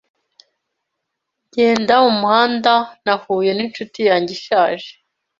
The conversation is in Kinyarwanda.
Ngenda mu muhanda, nahuye n'inshuti yanjye ishaje.